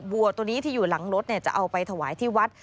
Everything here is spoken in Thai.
วัวตัวนี้ที่อยู่หลังรถจะเอาไปถวายที่วัด